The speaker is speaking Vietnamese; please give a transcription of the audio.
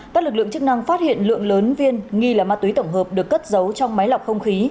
các lực lượng chức năng phát hiện lượng lớn viên nghi là ma túy tổng hợp được cất giấu trong máy lọc không khí